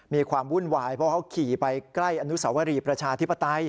มีความวุ่นวายเพราะเขาขี่ไปใกล้อนุสวรีประชาธิปไตย